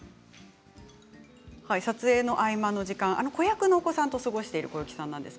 撮影の合間の時間子役のお子さんと過ごしている小雪さんです。